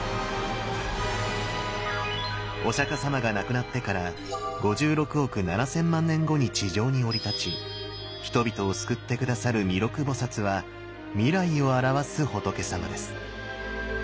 お釈様が亡くなってから５６億７千万年後に地上に降り立ち人々を救って下さる弥勒菩は未来を表す仏さまです。